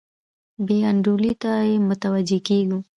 بې انډولۍ ته یې متوجه کیږو.